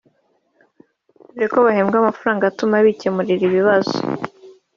dore ko bahembwa amafaranga atuma bikemurira ibibazo